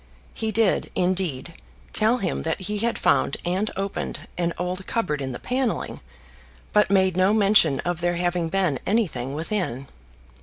He did, indeed, tell him that he had found and opened an old cupboard in the panelling, but made no mention of there having been anything within.